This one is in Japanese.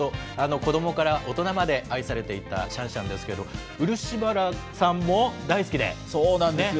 子どもから大人まで愛されていたシャンシャンですけど、そうなんですよ。